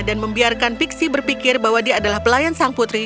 dan membiarkan pixie berpikir bahwa dia adalah pelayan seorang putri